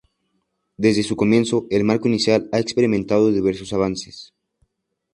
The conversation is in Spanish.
Desde su comienzo, el marco inicial ha experimentado diversos avances.